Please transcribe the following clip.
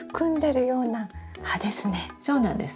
そうなんです。